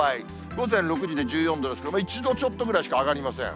午前６時で１４度ですから、１度ちょっとぐらいしか上がりません。